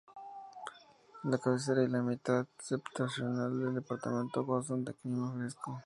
La cabecera y la mitad septentrional del departamento gozan de clima fresco.